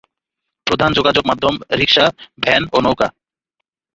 প্রধান যোগাযোগ মাধ্যম রিক্সা, ভ্যান ও নৌকা।